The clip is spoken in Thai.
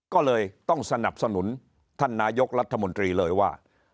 ก็เลยต้องสนับสนุนท่านนายกรัฐมนตรีเลยว่า